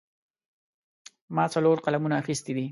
ما څلور قلمونه اخیستي دي.